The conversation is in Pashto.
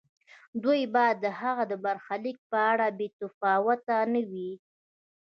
دوی باید د هغه د برخلیک په اړه بې تفاوت نه وي.